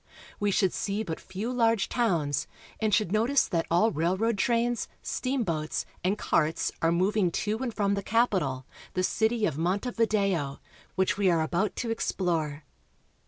We should see but few large towns, and should notice that all railroad MONTEVIDEO. 203 trains, steamboats, and carts are moving to and from the capital, the city of Montevideo, which we are about to explore.